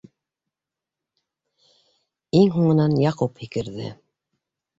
Иң һуңынан Яҡуп һикерҙе.